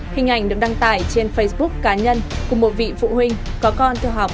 hình ảnh được đăng tải trên facebook cá nhân của một vị phụ huynh có con theo học